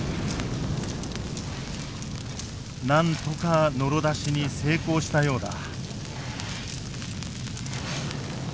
なんとかノロ出しに成功したようだ。